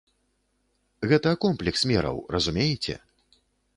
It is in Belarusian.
Гэта комплекс мераў, разумееце?